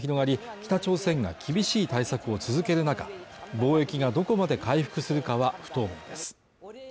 北朝鮮が厳しい対策を続ける中貿易がどこまで回復するかは不透明です